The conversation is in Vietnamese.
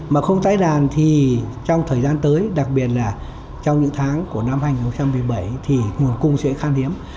mà không tái đàn thì trong thời gian tới đặc biệt là trong những tháng của năm hai nghìn một mươi bảy thì nguồn cung sẽ khan hiếm